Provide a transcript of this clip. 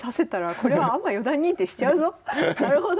なるほど。